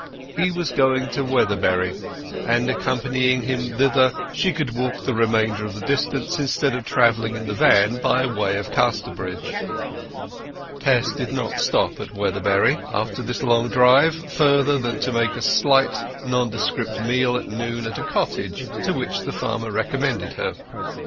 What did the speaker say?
He was going to Weatherbury, and by accompanying him thither she could walk the remainder of the distance instead of travelling in the van by way of Casterbridge. Tess did not stop at Weatherbury, after this long drive, further than to make a slight nondescript meal at noon at a cottage to which the farmer recommended her.